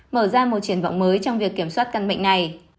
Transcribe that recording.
mở ra một triển vọng mới trong việc kiểm soát căn bệnh này